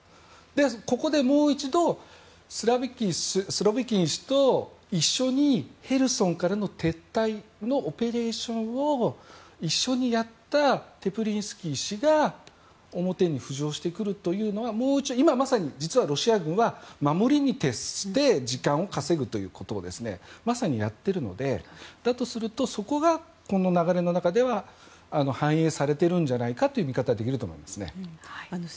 ここでもう一度スロビキン氏と一緒にヘルソンからの撤退のオペレーションを一緒にやったテプリンスキー氏が表に浮上してくるというのは今まさに実はロシア軍は守りに徹して時間を稼ぐということをまさにやっているのでだとするとそこがこの流れの中では反映されているんじゃないかという見方ができると思います。